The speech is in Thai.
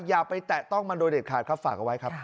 อย่าไปแตะต้องมันโดยเด็ดขาดครับฝากเอาไว้ครับ